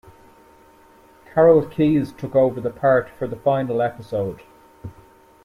Karol Keyes took over the part for the final episode.